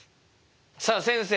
さあ先生